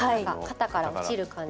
肩から落ちる感じ。